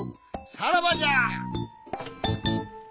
さらばじゃ！